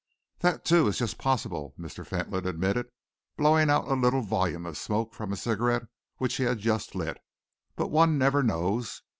"That, too, is just possible," Mr. Fentolin admitted, blowing out a little volume of smoke from a cigarette which he had just lit, "but one never knows.